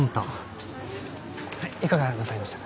いかがなさいましたか？